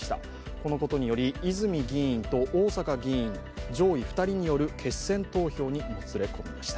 このことにより泉議員と逢坂議員、上位２人により決選投票にもつれ込みました。